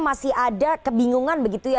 masih ada kebingungan begitu ya